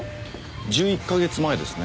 １１か月前ですね。